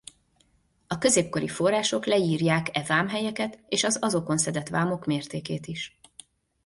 A középkori források leírják e vámhelyeket és az azokon szedett vámok mértékét is.